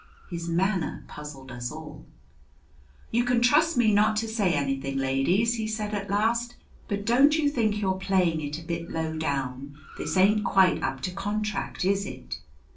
His manner puzzled us all. "You can trust me not to say anything, ladies," he said at last, "but don't you think you're playing it a bit low down? This ain't quite up to contract, is it?"